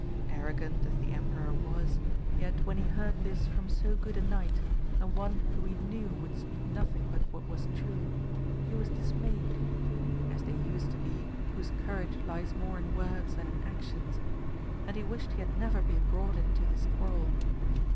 Arrogant as the emperor was, yet when he heard this from so good a knight, and one who he knew would speak nothing hut what was true, he was dismayed, as they use to he whose courage lies more in words than in actions, and he wished he had never been brought into this quarrel.